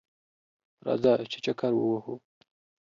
راځه ! چې چکر ووهو